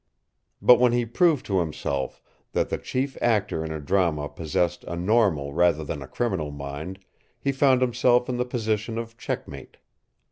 But when he proved to himself that the chief actor in a drama possessed a normal rather than a criminal mind, he found himself in the position of checkmate.